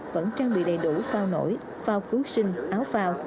vẫn trang bị đầy đủ phao nổi phao cứu sinh áo phao